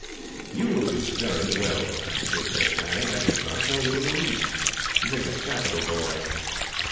"You will do very well," Dick said to Annie. "I should not know you, in the least. You make a capital boy.